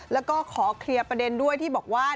แล้วก็ขอเคลียร์ประเด็นด้วยที่บอกว่า